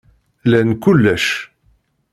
Lan kullec.